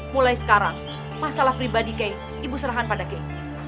mulai sekarang masalah pribadi kei ibu serahan pada kei